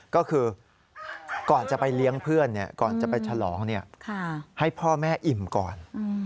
ก็คือก่อนจะไปเลี้ยงเพื่อนก่อนจะไปฉลองให้พ่อแม่อิ่มก่อน